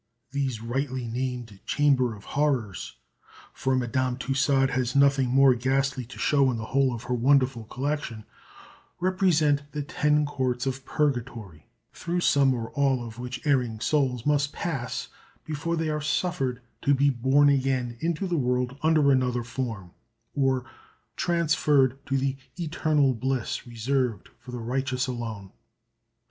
These rightly named Chambers of Horrors for Madame Tussaud has nothing more ghastly to show in the whole of her wonderful collection represent the Ten Courts of Purgatory, through some or all of which erring souls must pass before they are suffered to be born again into the world under another form, or transferred to the eternal bliss reserved for the righteous alone.